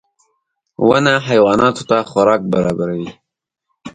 • ونه حیواناتو ته خوراک برابروي.